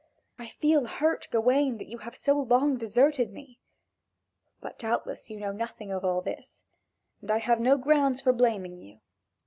I feel hurt, Gawain, that you have so long deserted me! But doubtless you know nothing of all this, and I have no ground for blaming you.